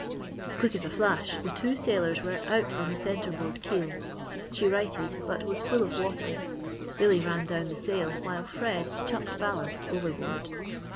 Quick as a flash, the two sailors were out on the centreboard keel! She righted, but was full of water. Billy ran down the sail while Fred chucked ballast overboard.